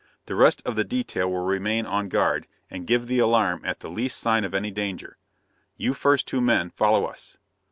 "The rest of the detail will remain on guard, and give the alarm at the least sign of any danger. You first two men, follow us."